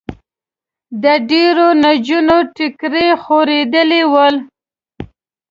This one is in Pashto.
د ډېریو نجونو ټیکري خوېدلي ول.